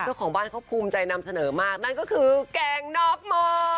เจ้าของบ้านเขาภูมิใจนำเสนอมากนั่นก็คือแกงนอกหม้อ